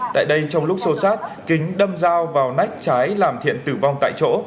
tại đây trong lúc xô sát kính đâm dao vào nách trái làm thiện tử vong tại chỗ